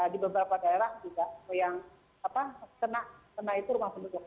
di beberapa daerah juga yang kena itu rumah penduduk